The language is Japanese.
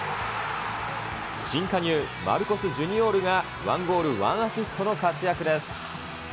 新加入、マルコス・ジュニオールが１ゴール１アシストの活躍です。